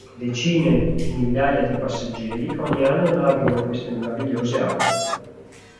Decine di migliaia di passeggeri ogni anno navigano queste meravigliose acque.